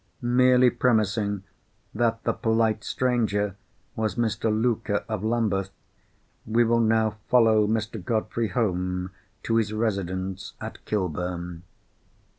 Merely premising that the polite stranger was Mr. Luker, of Lambeth, we will now follow Mr. Godfrey home to his residence at Kilburn.